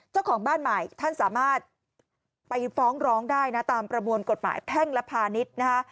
เจ้าของบ้านใหม่ท่านสามารถไปฟ้องร้องได้นะตามประมวลกฎหมายแพ่งและพาณิชย์นะฮะ